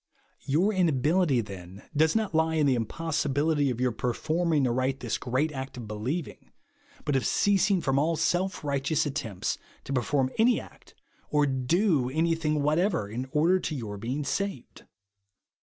Your inability, then, does not lie in the impossibility of your performing aright this great act of believing, but of ceasing from all such self righteous attempts to perform any act, or do anything whatever, in order to your being saved.